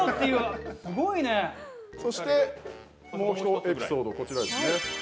そしてもう１エピソードこちらですね。